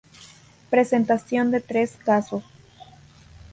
Presentación de tres casos.